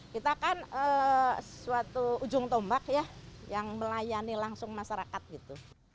kita kan suatu ujung tombak ya yang melayani langsung masyarakat gitu